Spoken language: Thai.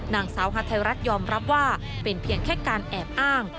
นางสาวฮาไทยรัฐยอมรับว่าเป็นเพียงแค่การแอบอ้าง